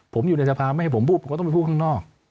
ผมอยู่ในสภาไม่ให้ผมพูดผมก็ต้องไปพูดข้างนอก